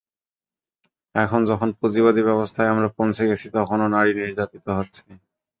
এখন যখন পুঁজিবাদী ব্যবস্থায় আমরা পৌঁছে গেছি, তখনো নারী নির্যাতিত হচ্ছে।